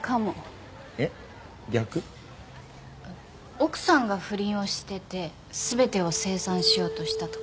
奥さんが不倫をしてて全てを清算しようとしたとか。